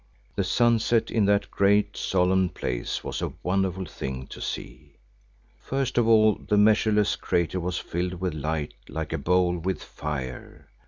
The sunset in that great solemn place was a wonderful thing to see. First of all the measureless crater was filled with light like a bowl with fire.